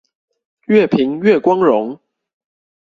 越貧越光榮！